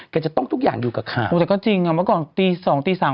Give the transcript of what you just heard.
จะต้องทุกอย่างอยู่กับข่าวแต่ก็จริงอ่ะเมื่อก่อนตีสองตีสาม